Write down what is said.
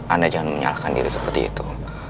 anda jangan menyalahkan diri seperti itu